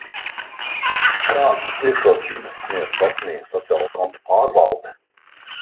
Kādas priekšrocības sniedz prasmīga sociālo kontu pārvalde?